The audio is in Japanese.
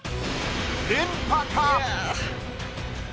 連覇か？